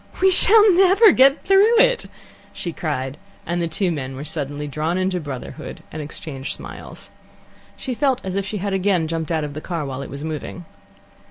"We shall never get through it!" she cried, and the two men were suddenly drawn into brotherhood, and exchanged smiles. She felt as if she had again jumped out of the car while it was moving.